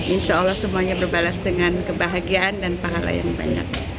insya allah semuanya berbalas dengan kebahagiaan dan pahala yang banyak